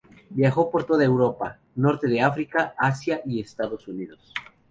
Viajó por toda Europa, norte de África, Asia y Estados Unidos.